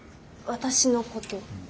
私のこと？